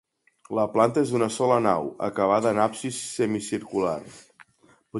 La planta és d'una sola nau, acabada en absis semicircular.